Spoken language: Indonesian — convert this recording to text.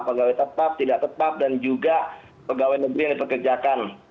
pegawai tetap tidak tetap dan juga pegawai negeri yang dipekerjakan